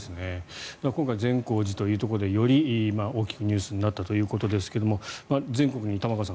今回善光寺というところでより大きくニュースになったということですが全国に玉川さん